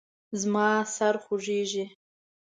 زما سر خوږیږي